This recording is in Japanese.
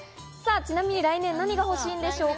ちなみに来年、何が欲しいんでしょうか？